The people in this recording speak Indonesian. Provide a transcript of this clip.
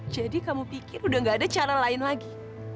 jadi kamu pikir udah gak ada cara lain lagi